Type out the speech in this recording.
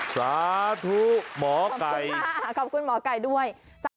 สาธุหมอกัยขอบคุณค่ะขอบคุณหมอกัยด้วย